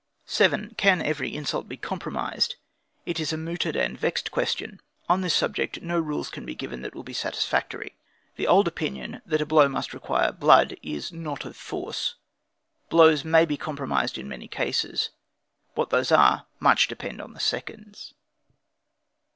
7. Can every insult be compromised? is a mooted and vexed question. On this subject, no rules can be given that will be satisfactory. The old opinion, that a blow must require blood, is not of force. Blows may be compromised in many cases. What those are, much depend on the seconds.